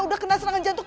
udah kena serangan jantung